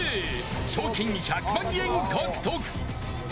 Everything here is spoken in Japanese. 賞金１００万円獲得。